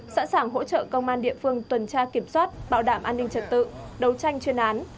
sẵn sàng hỗ trợ công an địa phương tuần tra kiểm soát bảo đảm an ninh trật tự đấu tranh chuyên án